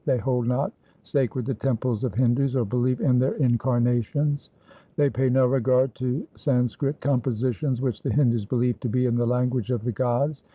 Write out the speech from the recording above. They hold not sacred the temples of Hindus, or believe in their incarnations. They pay no regard to San skrit compositions which the Hindus believe to be in the language of the gods.